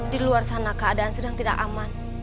di luar sana keadaan sedang tidak aman